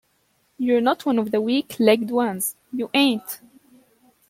You're not one of the weak-legged ones, you ain't.